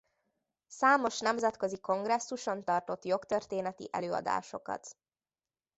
Számos nemzetközi kongresszuson tartott jogtörténeti előadásokat.